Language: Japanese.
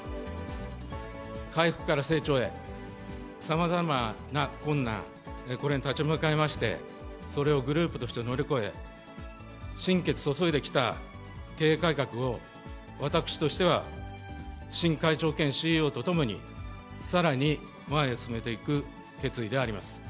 回復から成長へ、さまざまな困難、これに立ち向かいまして、それをグループとして乗り越え、心血注いできた経営改革を、私としては、新会長兼ＣＥＯとともにさらに前へ進めていく決意であります。